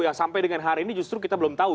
ya sampai dengan hari ini justru kita belum tahu